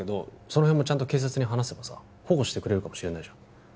そのへんもちゃんと警察に話せばさ保護してくれるかもしれないじゃん